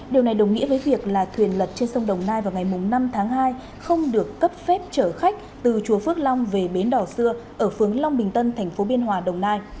điều này đồng nghĩa với việc là thuyền lật trên sông đồng nai vào ngày năm tháng hai không được cấp phép chở khách từ chùa phước long về bến đỏ xưa ở phướng long bình tân thành phố biên hòa đồng nai